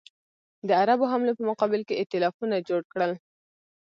د عربو حملو په مقابل کې ایتلافونه جوړ کړل.